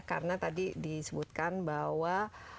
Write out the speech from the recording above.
karena tadi disebutkan bahwa